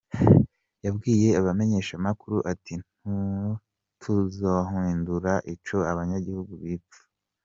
Yabwiye abamenyeshamakuru ati:"Ntutuzohindura ico abanyagihugu bipfuza.